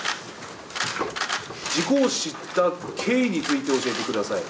事故を知った経緯について教えてください。